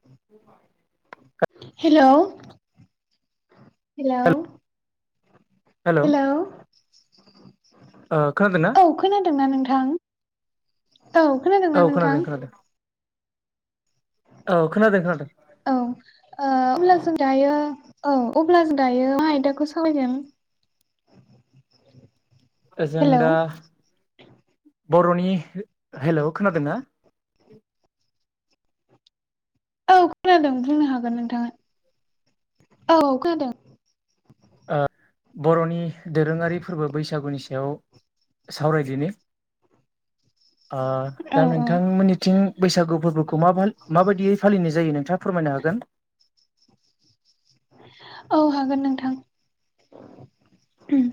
[inaudible] Hello hello हेल' ओ hello खोनादों ना औ खोनादोंना नोंथां? औ औ खोनादोंना खोनादों नोंथां? खोनादों औ खोनादों खोनादों औ ओ अब्ला जों दायो औ अब्ला जों दायो मा आयदाखौ सावरायगोन? ओजों हेलौ दा बर'नि, हेलौ खोनादोंना? औ खोनादों बुंनो हागोन नोंथाङा औ खोनादों। ओ बर'नि दोरोङारि फोरबो बैसागुनि सि बेयाव सावरायदिनि। ओ दा औ औ नोंथांमोननिथिं बैसागु फोरबोखौ मा [unintelligible] माबायदियै फालिनाय जायो नोंथाङा फोरमायनो हागोन। औ हागोन नोंथां। उम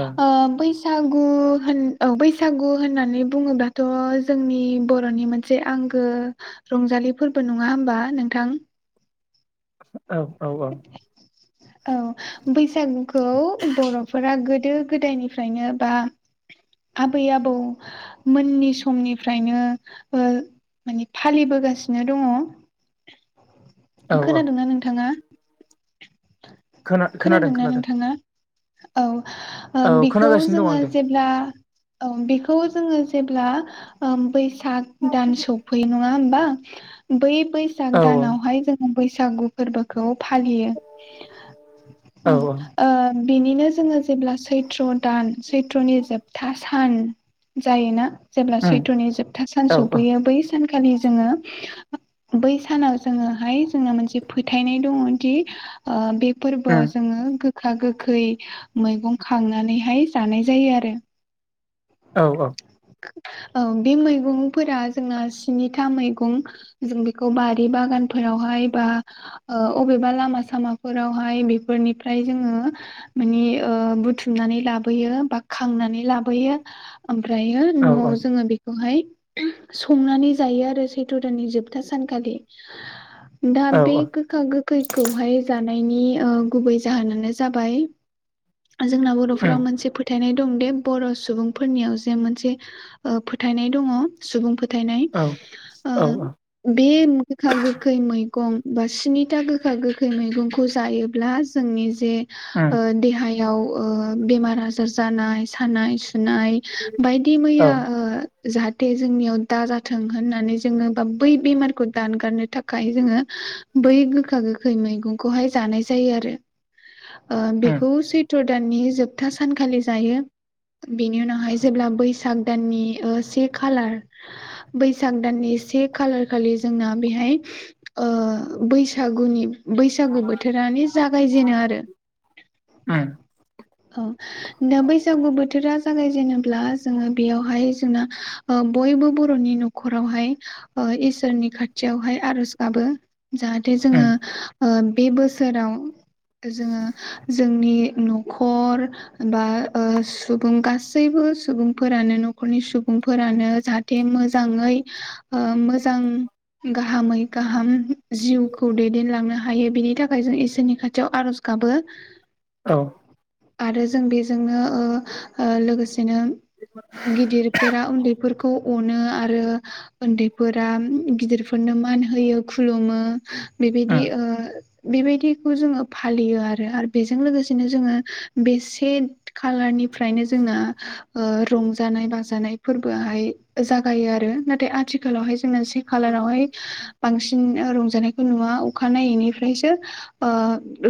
औ ओ बैसा गु होन औ बैसागु होननानै बुङोब्लाथ' जोंनि बर'नि मोनसे आंगो रंजालि फोरबो नङा होमबा नोंथां। औ औ औ। [inaudible] औ बैसागुखौ बर'फोरा गोदो गोदायनिफ्रायनो बा आबै आबौ मोननि समनिफ्रायनो ओ माने फालिबोगासिनो दङ। औ औ खोनादोंना नोंथाङा। खोना खोनादों खोनादोंना खोनादों नोंथाङा? औ बेखौ खोनागासिनो दं जोंङो आं दे जेब्ला औ बेखौ खौ जोंङो जेब्ला बैसाग दान सफैयो नंङा होमबा। बै बैसाग औ दानावहाय जोंङो बैसागु फोरबोखौ फालियो। औ बिनिनो जोंङो जेब्ला सैत्र दान सैत्रनि जोबथा सान जायोना जेब्ला सैथ्र'नि जोबथा सान औ औ सफैयो बै सानखालि जोंङो बै सानाव जोंङोहाय जोंना मोनसे फोथायनाय दङ दि ओ बे उम फोरबोआव जोंङो गो गोखा गोखै मैगं खांनानैहाय जानाय जायो आरो। औ औ औ बे मैगंफोरा जोंना स्निथा मैगं जों बेखौ बारि बागान फोरावहाय बा ओ अबेबा लामा सामाफोर रावहाय बेफोरनिफ्राय जोंङो मानि ओ बुथुमनानै लाबोयो बा खांना लाबोयो ओमफ्रायो औ न'आव उम जोंङो बेखौहाय संनानै जायो आरो सैथ' दाननि जोबथा सानखालि। दा औ बे गोखा गोखैखौहाय जा नायनि ओ गुबै जाहोनानो जाबाय जोंना उम बर'फोराव मोनसे फोथायनाय दं दे बर' सुबुंफोरनियाव जे मोनसे ओ फोथायनाय दङ सुबुं फोथ थायनाय औ ओ बे गोखा गोखै मैगं बा स्निथा गोखा गोखै मैगंखौ जायोब्ला जोंनि जे ओ देहाय याव ओ बेमार आजार जानाय सानाय सु नाय बायदि मैया उम ओ जाहाथे जोंनियाव दाजाथों होननानै जोंङो बा बै बेमारखौ दानगारनो थाखाय जोंङो बै गोखा गोखै मैगंखौहाय जानाय जायो आरो ओ बेखौ सैथ थ्र दाननि जोबथा सानखालि जायो बेनि उनावहाय जेब्ला बैसाग दाननि ओ से खालार बैसाग दाननि से खालार खालि जोंना बेहाय ओ बैसागुनि उ बैसागु बोथोरानो जागायजेनो आरो उम औ दा बैसागु बोथोरा जागायजेनोब्ला जोंङो बेयावहाय जोंना ओ बयबो बर'नि न'खरावहाय ओ इसोरनि खाथियावहाय आर'ज गाबो। जाहाथे जोंङो उम ओ बे बोसोराव जोंङो जोंनि न'खर बा ओ सुबुं गासैबो सुबुंफोरानो न'खरनि सुबुं फोरानो जाहाथे मोजाङै ओ मोजां गाहामै गाहाम जिउखौ दैदेनलांनो हायो बिनि थाखाय जों इसोरनि खाथियाव आरज गाबो। औ आरो जों बेजोंनो ओ ओ लोगोसेनो गिदिरफोरा उन्दैफोरखौ अनो आरो उन्दैफोरा गिदिरफोरनो मान होयो खुलुमो। बेबायदि उम ओ बेबायदिखौ जोंङो फालियो आरो आरो बेजों लोगोसेनो जोंङो बे से कालारनि फ्रायनो जोंना ओ रंजानाय बाजानाय फोरबोहाय जागायो आरो नाथाय आथिखालावहाय जोंना जि खालारावहाय बांसिन ओं रंजानायखौ नुवा अखा नायैनि फ्रायसो ओ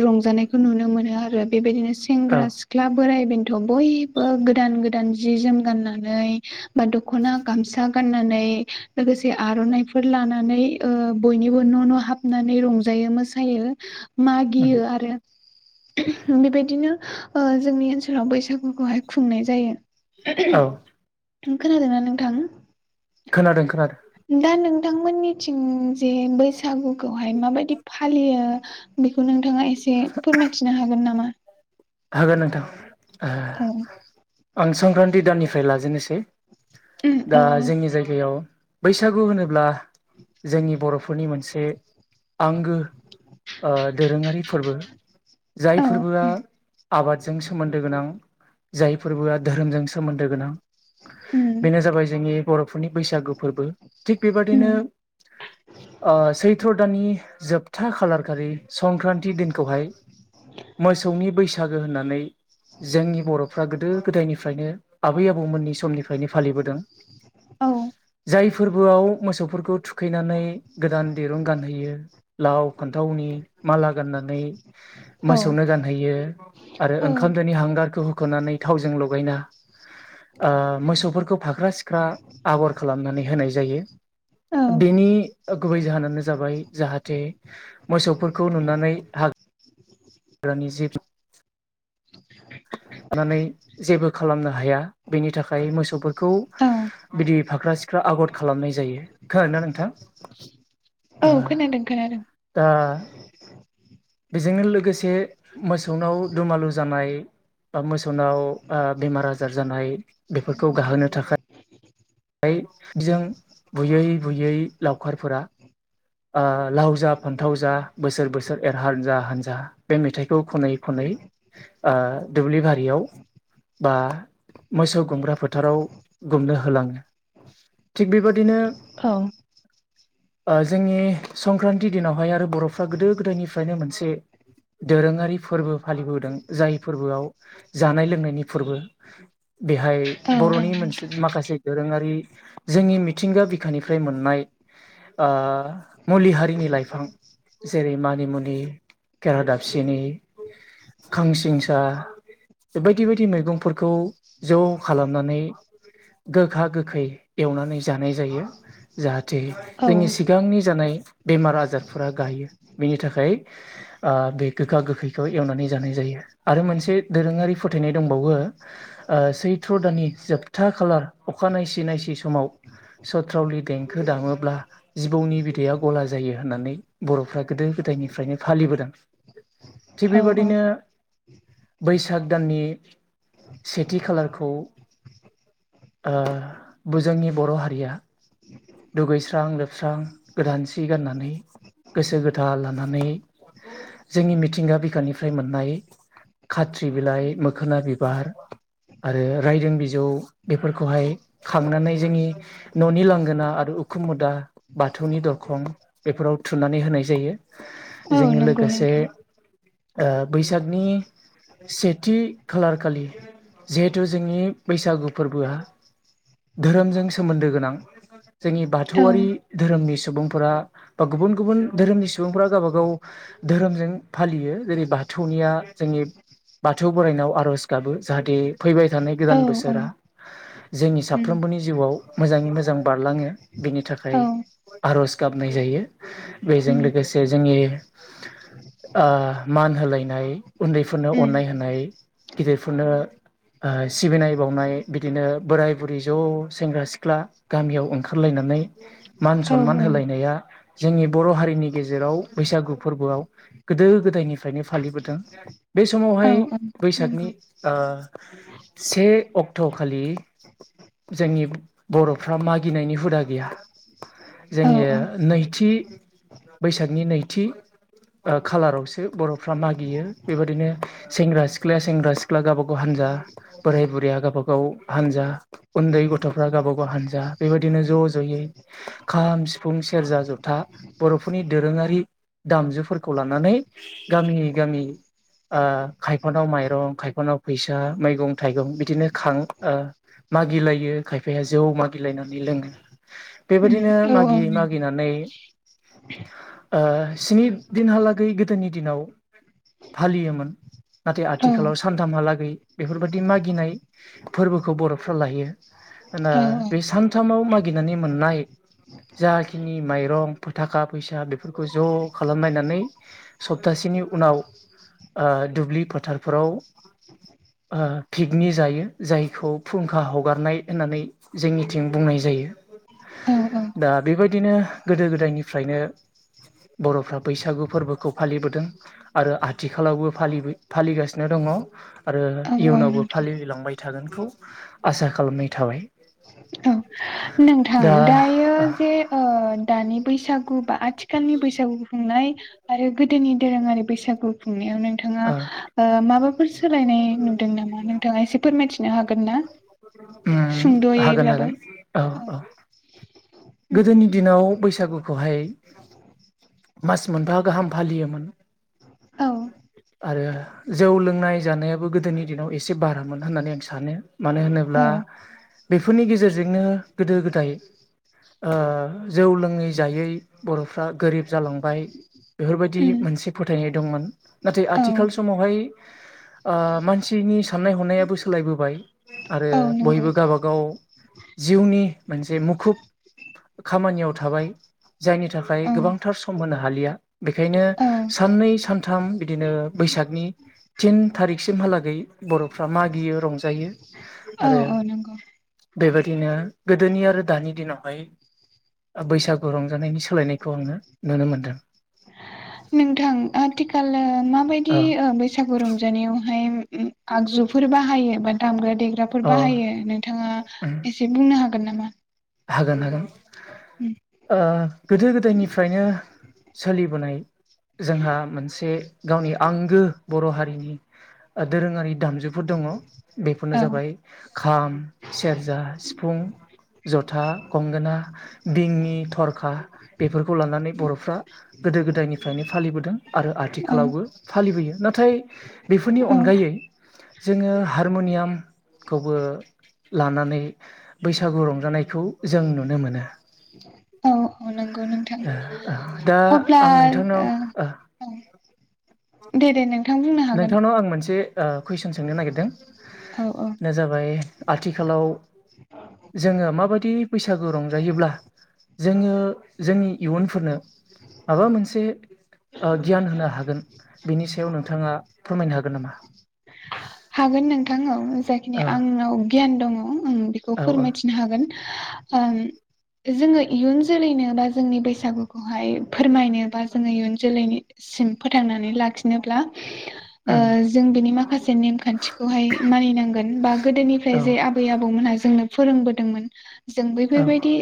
रंजानायखौ नुनो मोनो आरो बेबायदिनो औ सेंग्रा सिख्ला बोराय बेनथ' बयबो गोदान गोदान जि जोम गाननानै बा दखना गामसा गाननानै लोगोसे आरनाइफोर लानानै ओ बयनिबो न' न' हाबनानै रंजायो मोसा यो उम मागियो आरो बेबायदिनो ओ जोंनि ओनसोलाव बैसागुखौहाय खुंनाय जायो। औ खोनादोंना नों थाङो खोनादों खोनादों नोंथांमोननिथिं जे बैसागुखौहाय माबायदि फालियो बेखौ नों थाङा एसे फोरमायथिनो हागोन नामा? हागोन नोंथां औ आं संक्रान्ति दाननिफ्राय लाजेननोसै औ दा जोंनि जायगायाव बैसागु होनोब्ला जोंनि बर'फोरनि मोन से आंगो ओ दोरोङारि फोरबो। जाय औ फोरबोआ आबादजों सोमोन्दो गोनां जाय फोरबोआ धोरोमजों सोमोन्दो गोनां। बेनो जाबाय जोंनि बर'फोरनि बैसागो फोरबो। थिग बेबादिनो सैथ्र' दाननि जोबथा खालार खालि संक्रान्ति दिनखौहाय मोसौनि बैसागो होननानै जोंनि बर'फ्रा गोदो गोदायनिफ्रायनो आबै-आबौमोननि समनिफ्रायनो फालिबोदों। औ जाय फोरबोआव मोसौफोरखौ थुखैनानै गोदान दिरुं गानहोयो ।लाव फान्थावनि, माला गाननानै औ मोसौनो गानहैयो आरो ओंखामदोनि हांगारखौ ह'नानै थावजों लगायना ओ मोसौफोरखौ फाख्रा-सिख्रा आगर खालामनानै होनाय जायो। औ! बेनि गुबै जाहोनानो जाबाय जाहाथे मोसौफोरखौ नुनानै हा ग्रानि जिब नुनानै जेबो खालामनो हाया। बेनि थाखाय मोसौफोरखौ औ बिदि फाख्रा-सिख्रा आगर खालामनाय जायो। खोदोंना नोंथां औ! ओ खोनादों खोनादों। दा बेजोंनो लोगोसे मोसौनाव दुमालु जानाय, बा मो सौनाव बेमार-आजार जानाय बेफोरखौ गाहोनो थाखाय बिनिखाय जों बुयै बुयै लावखारफोरा आ लाव जा फान्थाव जा बोसोर बोसोर एर हान्जा हान्जा बे मेथाइखौ खनै खनै आ दुब्लि बारियाव बा मोसौ गुमग्रा फोथाराव गुमनो होलाङो। थिग बेबादिनो औ आ जोंनि संक्रान्ति दिनावहाय आरो बर'फ्रा गोदो गोदायनिफ्रायनो मोनसे दोरोङारि फोरबो फालिबोदों जाय फोरबोआव जानाय लोंनायनि फोरबो। बेहाय औ बर'नि मोनसे माखासे दोरोङारि जोंनि मिथिंगा बिखानिफ्राय मोननाय ओ मुलि हारिनि लाइफां जेरै मानिमुनि, केरा दाबसिनि, खांसिंसा बायदि बायदि मैगंफोर खौ ज' खालामनानै गोखा-गोखै एवनानै जानाय जायो। जाहाथे औ जोंनि सिगांनि जानाय बेमार आजारफोरा गायो। बिनि थाखाय ओ बे गोखा-गोखैखौ एवनानै जानाय जायो आरो मोनसे दोरोङारि फोथाय नाय दंबावो ओ सैथ्र' दाननि जोबथा खालार अखा नायसि नायसि समाव सथ्रावलि देंखो दामोब्ला जिबौनि बिदैया गला जायो होननानै बर'फ्रा गोदो गोदायनिफ्रायनो फालिबोदों। थिक औ औ बेबादिनो बैसाग दाननि सेथि खालारखौ ओ जोंनि बर' हारिया दुगैस्रां-लोब स्रां गोदान जि गाननानै गोसो गोथार लानानै जोंनि मिथिंगा बिखानिफ्राय मोननाय खाथ्रि बिलाइ, मोखोना बिबार आरो रायदों बिजौ, बेफोरखौहाय खांनानै जोंनि न'नि लांगोना आरु उखुम मुदा आरो बाथौनि दरखं बेफोराव थुनानै होनाय जायो। औ जोंनो नंगौ लोगोसे नोंथां ओ बैसागनि सेथि खालार खालि जिहेथु जोंनि बैसागु फोरबोआ धोरोमजों सोमोन्दो गोनां, जोंनि औ बाथौआरि धोरोमनि सुबुंफोरा बा गुबुन गुबुन धोरोमनि सुबुंफोरा गावबागाव धोरोमजों फालियो। जेरै बाथौनिया जोंनि बाथौ बोरायनायाव आर'ज गाबो। जाहाथे फैबाय थानाय औ गोदान औ बोसोरा जोंनि साफ्रोम बोनि जिउआव मोजाङै मोजां बारलाङो, बिनि थाखाय आर'ज गाबनाय जायो। बेजों लोगोसे जोंनि ओ मान होलायनाय, उन्दैफोरनो अननाय होनाय, गिदिरफोरनो ओ सिबिनाय बावनाय, बिदिनो बोराय बुरि ज' सेंग्रा सिख्ला गामियाव ओंखारलायना नै मान औ सनमान होलायनाया जोंनि बर' हारिनि गेजेराव बैसागु फोरबोआव गोदो गोदा दायनिफ्रायनो फालिबोदों। बे औ समावहाय औ बैसागनि नंगौ ओ से अक्ट' खालि जोंनि बर'फ्रा मागिनायनि हुदा गैया। औ जोनियो नैथि, बैसागनि नैथि खाालारावसो बर'फ्रा मागियो बेबादिनो सेंग्रा सिख्लाया सेंग्रा सिख्ला गावबा गाव हान जा, बोराय बुरिया गाबा गाव हानजा, उन्दै गथ'फ्रा गाबा गाव हानजा। बेबादिनो ज' ज'यै खाम, सिफुं, सेरजा, जथा बर'फोरनि दोरोङारि दामजुफोरखौ लानानै गामि गामि ओ खायफानाव माइरं, खायफानाव फैसा, मैगं थाइगं बिदिनो खाङो। ओ मागिलायो, खायफाया जौ मागिलायनानै लोङो। औ बेबादिनो औ मागियै मागिनानै ओ स्नि दिनहालागै गोदोनि दिनाव फालियोमोन। नाथाय औ आथिखालाव सानथामहालागै बेफोरबादि मागिनाय फोरबोखौ बर'फ्रा लायो। ओनो बे सानथामाव मागिनानै मोननाय [inaudible] जाखिनि माइरं फो थाखा फैसा बेफोरखौ ज' खालामलायनानै सप्तासेनि उनाव ओ दुब्लि फोथारफोराव ओ फिकनि जायो। जायखौ फुंखा हगारनाय होननानै जोंनिथिं बुंनाय जायो। औ दा बेबादिनो गोदो गोदायनिफ्रायनो बर'फ्रा बैसागु फोरबोखौ फालिबोदों आरो आथिखालावबो फालिबै फालिगासिनो दं। ङ। आरो औ औ इयुनावबो नोंथां फालिलांबाय थागोनखौ आसा खालामनाय थाबाय। [inaudible] थां दायो ओ जे दानि बैसागु बा आथिखालनि बैसागु खुंनाय आरो गोदोनि दोरोङारि बैसागु खुं नायाव नोंथाङा ओ ओ माबाफोर सोलायनाय नुदों नामा नोंथाङा एसे फोरमायथिनो हागोन ना? उम हागोन सुंद'यैब्लाबो। हागोन औ औ गोदोनि दिनाव बैसागुखौहाय मास मोनफा गाहाम फालियोमोन। औ आरो जौ लोंनाय जानायाबो गोदोनि दिनाव एसे बारामोन होननानै आं सानो। मानो होनोब्ला बेफोरनि गेजेरजोंनो गोदो गोदाय ओ जौ लोङै जायै बर'फ्रा गोरिब जालांबाय। बेफोरबादि उम मोनसे फोथायनाय दंमोन। नाथाय औ आथिखाल समावहाय ओ मानसिनि साननाय हनायाबो सोलायबोबाय आरो औ नंगौ बयबो गाबागाव जिउनि मोनसे मुखुब खामानियाव थाबाय जायनि थाखाय औ गोबांथार सम होनो हालिया बेखायनो औ साननै सानथाम बिदिनो बैसागनि थिन थारिखसिमहालागै बर'फ्रा मागियो रंजायो औ आरो औ नंगौ बेबायदिनो गोदोनि आरो दानि दिनावहाय बैसागु रंजानायनि सोलायनायखौ आङो नुनो मोनदों नोंथां आथिखालाव माबायदि औ बैसागु रंजानायावहाय आगजुफोर बाहायो बा दामग्रा देग्राफोर औ बाहायो नोंथाङा एसे बुंनो हागोन नामा हागोन हागोन ओ गोदो गोदायनिफ्रायनो सोलिबोनाय जोंहा मोनसे गावनि आंगो बर' हारिनि दोरोङारि दामजुफोर दङ औ बेफोरनो जाबाय खाम सेरजा सिफुं [unintelligible] जथा गंगोना दिङि थरखा बेफोरखौ लानानै बर'फ्रा गोदो गोदायनिफ्रायनो फालिबोदों आरो औ आथिखालावबो फालिबोयो नाथाय बेफोरनि औ अनगायै जोङो हारमुनियामखौबो लानानै बैसागु रं जानायखौ जों नुनो मोनो औ औ नंगौ नोंथां दा अब्ला आं नोंथांनाव ओ दे दे नोंथां बुंनो हागोन नोंथांनाव आं मोनसे कुइसन सोंनो नागिरदों औ औ दा जाबाय आथिखालाव जोङो माबायदि बैसागु रंजायोब्ला जोङो जोंनि इयुनफोरनो माबा मोनसे गियान होनो हागोन बिनि सायाव नोंथाङा फोरमायनो हागोन नामा हागोन नोंथांऔ जाखिनि ओ आंनाव गियान दङ आं बेखौ औ औ फोरमायथिनो हागोन ओम जोङो इयुन जोलैनो बा जोंनि बैसागुखौहाय फोरमायनो बा जोङो इयुन जोलैनि फोथांनानै लाखिनोब्ला ओ उम जों बेनि माखासे नेम खान्थिखौहाय मानिनांगोन बा गोदोनिफ्राय जे आबै आबौमोनहा जोंनो फोरोंबोदोंमोन जों औ बेफोरबायदि